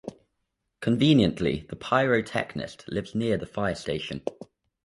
Conveniently, the pyrotechnist lives near the fire station